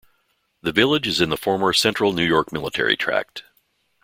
The village is in the former Central New York Military Tract.